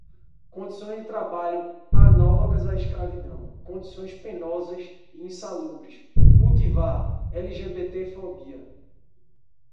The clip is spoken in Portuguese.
Condições de trabalho análogas à escravidão, condições penosas e insalubres, cultivar, lgbtfobia